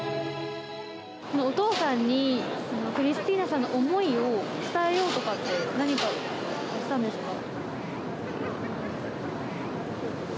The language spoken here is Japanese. お父さんに、クリスティーナさんの思いを伝えようとかって、何かしたんですか？